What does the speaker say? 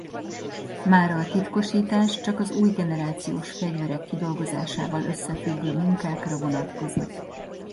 Mára a titkosítás csak az új generációs fegyverek kidolgozásával összefüggő munkákra vonatkozik.